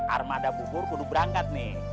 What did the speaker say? armada bubur kudu berangkat nih